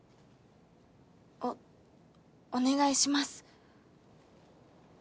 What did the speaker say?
おお願いします